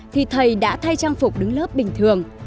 thì thầy đã thay trang phục đứng lớp bình thường